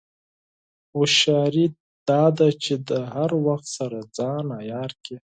هوښیاري دا ده چې د هر وخت سره ځان عیار کړې.